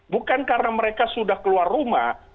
bukan karena mereka sudah keluar rumah